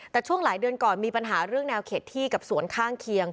แต่ช่วงหลายเดือนก่อนมีปัญหาเรื่องแนวเขตที่กับสวนข้างเคียง